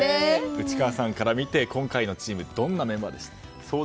内川さんから見て今回のチームどんなメンバーでした？